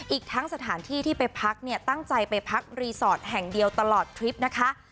อีกทั้งสถานที่ที่ไปพักเนี่ยตั้งใจไปพักรีสอร์ทแห่งเดียวตลอดทริปนะคะ